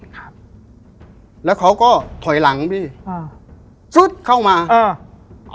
ครับแล้วเขาก็ถอยหลังพี่อ่าซุดเข้ามาอ่า